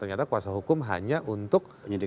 ternyata kuasa hukum hanya untuk